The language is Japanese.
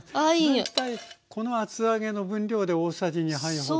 大体この厚揚げの分量で大さじ２杯ほど？